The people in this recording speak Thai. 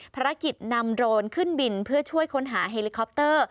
ภารกิจนำโดรนขึ้นบินเพื่อช่วยค้นหาเฮลิคอปเตอร์